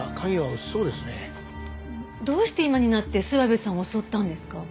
どうして今になって諏訪部さんを襲ったんですか？